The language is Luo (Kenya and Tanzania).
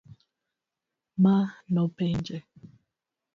Ma nopenje